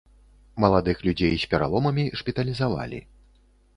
Маладых людзей з пераломамі шпіталізавалі.